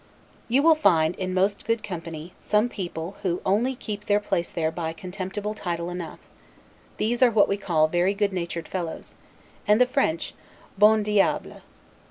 You will find, in most good company, some people who only keep their place there by a contemptible title enough; these are what we call VERY GOOD NATURED FELLOWS, and the French, 'bons diables'.